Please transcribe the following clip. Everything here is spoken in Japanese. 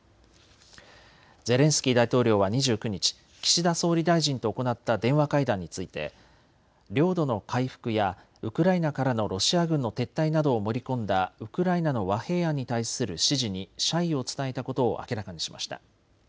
ゼレンスキー大統領は２９日、岸田総理大臣と行った電話会談について領土の回復やウクライナからのロシア軍の撤退などを盛り込んだウクライナの和平案に対する支持に謝意を伝えたことを明らかにしました。